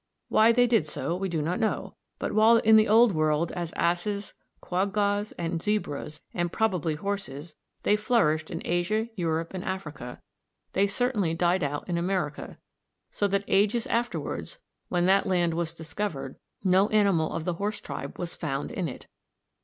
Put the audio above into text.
Why they did so we do not know; but while in the old world as asses, quaggas, and zebras, and probably horses, they flourished in Asia, Europe, and Africa, they certainly died out in America, so that ages afterwards, when that land was discovered, no animal of the horse tribe was found in it.